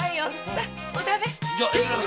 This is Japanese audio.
さあお食べ！